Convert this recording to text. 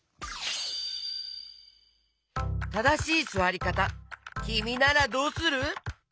ただしいすわりかたきみならどうする？